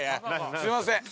◆すいません。